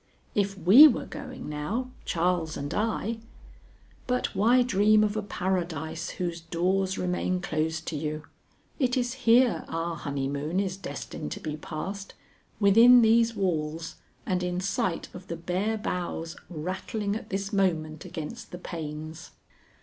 If we were going now, Charles and I But why dream of a Paradise whose doors remain closed to you? It is here our honeymoon is destined to be passed; within these walls and in sight of the bare boughs rattling at this moment against the panes.